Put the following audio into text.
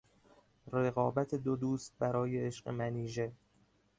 رقابت دو دوست برای عشق منیژه